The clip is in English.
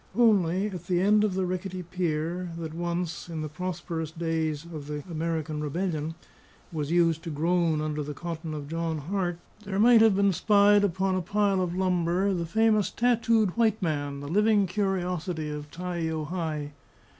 Only, at the end of the rickety pier, that once (in the prosperous days of the American rebellion) was used to groan under the cotton of John Hart, there might have been spied upon a pile of lumber the famous tattooed white man, the living curiosity of Tai o hae.